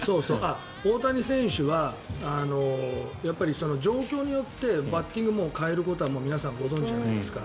大谷選手はやっぱり、状況によってバッティングを変えることは皆さんご存じじゃないですか。